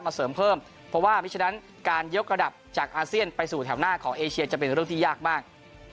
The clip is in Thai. เสริมเพิ่มเพราะว่ามิฉะนั้นการยกระดับจากอาเซียนไปสู่แถวหน้าของเอเชียจะเป็นเรื่องที่ยากมาก